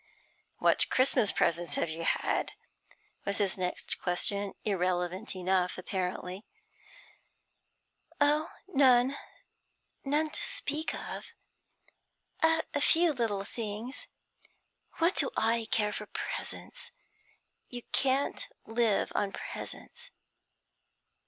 'What Christmas presents have you had?' was his next question, irrelevant enough apparently. 'Oh, none none to speak of a few little things. What do I care for presents? You can't live on presents.'